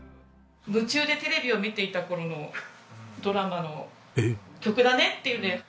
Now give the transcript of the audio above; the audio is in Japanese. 夢中でテレビを見ていた頃のドラマの曲だねっていうんで。